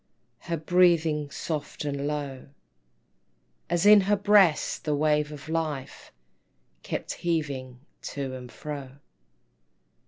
Her breathing soft and low, As in her breast the wave of life Kept heaving to and fro.